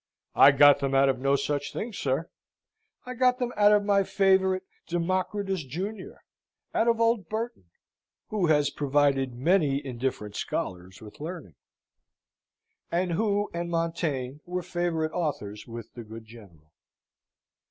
"I got them out of no such thing, sir. I got them out of my favourite Democritus Junior out of old Burton, who has provided many indifferent scholars with learning;" and who and Montaigne, were favourite authors with the good General.